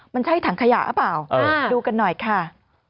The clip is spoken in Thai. มันใช่ถังขยะหรือเปล่าดูกันหน่อยค่ะ